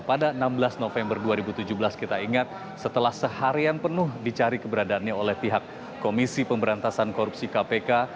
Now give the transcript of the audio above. pada enam belas november dua ribu tujuh belas kita ingat setelah seharian penuh dicari keberadaannya oleh pihak komisi pemberantasan korupsi kpk